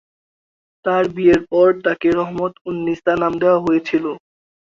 তার বিয়ের পরে তাকে রহমত-উন-নিসা নাম দেওয়া হয়েছিল।